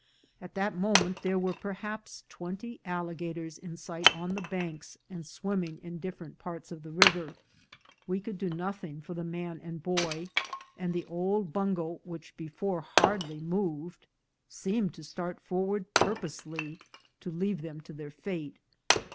At that moment there were perhaps twenty alligators in sight on the banks and swimming in different parts of the river. We could do nothing for the man and boy, and the old bungo, which before hardly moved, seemed to start forward purpose ly to leave them to their fate.